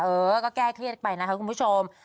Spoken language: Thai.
เออก็แก้เครียดไปนะคะคุณผู้ชม